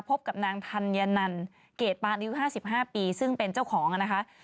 พบกับนางธัญนันเกรดปานอายุ๕๕ปีซึ่งเป็นเจ้าของนะคะ